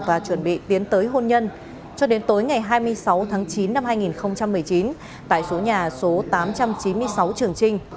và chuẩn bị tiến tới hôn nhân cho đến tối ngày hai mươi sáu tháng chín năm hai nghìn một mươi chín tại số nhà số tám trăm chín mươi sáu trường trinh